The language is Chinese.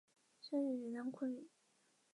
生于云南昆明。